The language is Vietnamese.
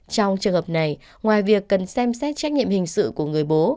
trong trường hợp này ngoài việc cần xem xét trách nhiệm hình sự của người bố